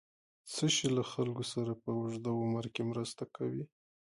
څه شی له خلکو سره په اوږد عمر کې مرسته کوي؟